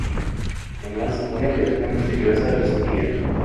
Además, una criatura misteriosa le seguirá.